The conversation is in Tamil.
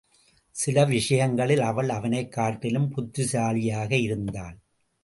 சில விஷயங்களில் அவள் அவனைக் காட்டிலும் புத்திசாலியாக இருந்தாள்.